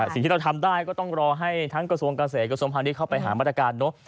สิ่งที่เราทำได้ก็ต้องรอให้ทั้งกระทรวงเกษตรกระทรวงพาณิชย์เข้าไปหามาตรการเนอะ